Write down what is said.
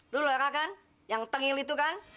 lo lelaka kan yang tengil itu kan